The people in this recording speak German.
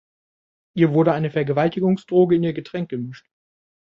Ihr wurde eine Vergewaltigungsdroge in ihr Getränk gemischt.